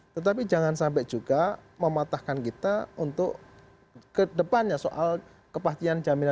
tetapi jangan sampai juga mematahkan kita untuk kedepannya soal kepastian jaminan